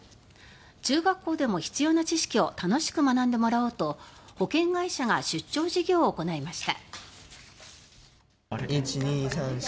中学校でも必要な知識を楽しく学んでもらおうと保険会社が出張授業を行いました。